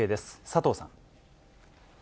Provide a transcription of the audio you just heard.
佐藤さん。